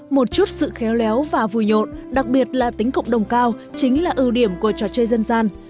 một chút sự khéo léo và vui nhộn đặc biệt là tính cộng đồng cao chính là ưu điểm của trò chơi dân gian